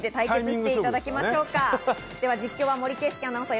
実況は森圭介アナウンサー